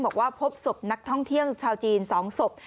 บอกว่าพบศพนักท่องเที่ยวชาวจีน๒ศพ